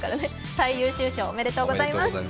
最優秀賞おめでとうございます。